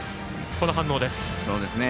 この反応です。